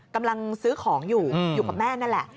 กำลังซื้อของอยู่อยู่กับแม่นั่นแหละ